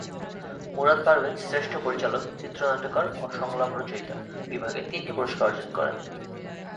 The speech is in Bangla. মুরাদ পারভেজ শ্রেষ্ঠ পরিচালক, চিত্রনাট্যকার ও সংলাপ রচয়িতা বিভাগে তিনটি পুরস্কার অর্জন করে।